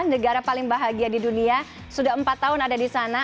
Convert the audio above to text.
negara paling bahagia di dunia sudah empat tahun ada di sana